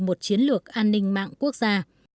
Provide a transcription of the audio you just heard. một chiến lược an ninh mạng quốc gia